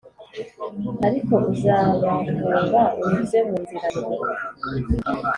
ariko uzabahunga unyuze mu nzira ndwi.